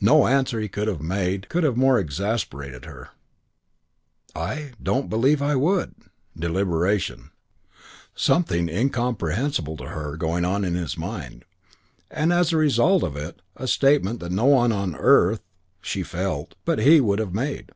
XII No answer he could have made could have more exasperated her. "I don't believe I would." Deliberation! Something incomprehensible to her going on in his mind, and as a result of it a statement that no one on earth (she felt) but he would have made.